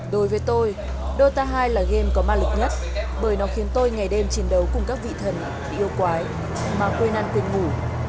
đối với tôi rota hai là game có ma lực nhất bởi nó khiến tôi ngày đêm chiến đấu cùng các vị thần yêu quái mà quên ăn quên ngủ